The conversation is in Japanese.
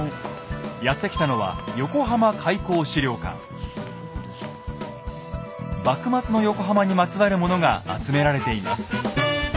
やって来たのは幕末の横浜にまつわるものが集められています。